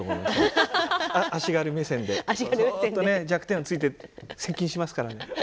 そっとね弱点をついて接近しますから。